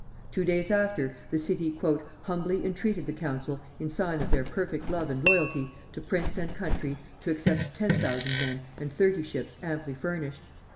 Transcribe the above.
Two days after, the city "humbly intreated the council, in sign of their perfect love and loyalty, to prince and country, to accept ten thousand men and thirty ships amply furnished."